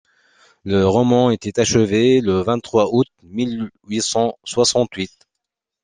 Le roman était achevé le vingt-trois août mille huit cent soixante-huit.